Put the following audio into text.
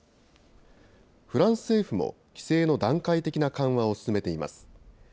フランス政府も規制の段階的な緩和を進めています。